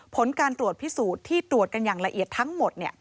ผลการตรวจพิสูจน์ที่ตรวจกันอย่างละเอียดทั้งหมด